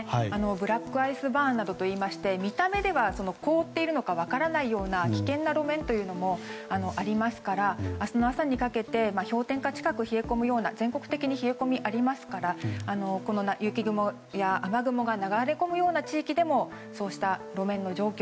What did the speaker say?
ブラックアイスバーンなどといいまして見た目では凍っているのか分からないような危険な路面というのもありますから明日の朝にかけて氷点下近く冷え込むような全国的に冷え込み、ありますから雪雲や雨雲が流れ込むような地域でもそうした路面の状況